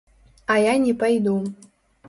А я не пайду.